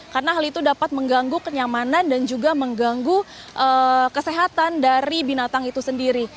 karena hal itu dapat mengganggu kenyamanan dan juga mengganggu kesehatan dari binatang itu sendiri